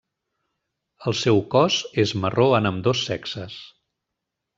El seu cos és marró en ambdós sexes.